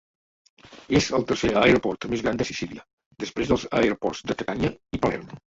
És el tercer aeroport més gran de Sicília, després dels aeroports de Catània i Palerm.